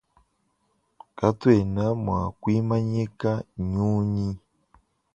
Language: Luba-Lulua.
Katuena mua kuimanyika nyunyi.